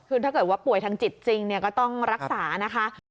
คือถ้าเกิดว่าป่วยทางจิตจริงก็ต้องรักษานะคะ